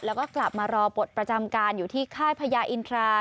แล้วก็กลับมารอบทประจำการอยู่ที่ค่ายพญาอินทรา